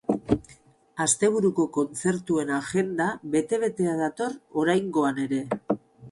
Asteburuko kontzertuen agenda bete-beteta dator oraingoan ere.